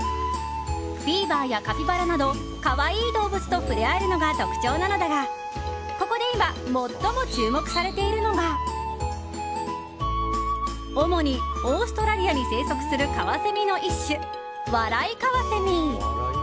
ビーバーやカピバラなど可愛い動物と触れ合えるのが特徴なのだがここで今最も注目されているのが主にオーストラリアに生息するカワセミの一種ワライカワセミ。